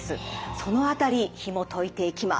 その辺りひもといていきます。